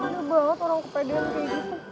mudah banget orang kepedean kayak gitu